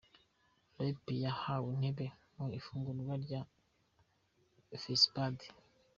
Rape yahawe intebe mu ifungurwa rya Fesipade